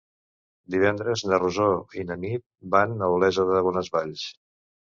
Divendres na Rosó i na Nit van a Olesa de Bonesvalls.